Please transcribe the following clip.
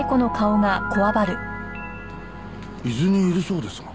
伊豆にいるそうですが。